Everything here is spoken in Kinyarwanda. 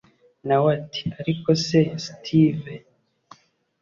Nawe ati ariko se steve